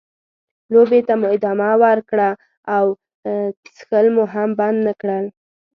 لوبې ته مو ادامه ورکړه او څښل مو هم بند نه کړل.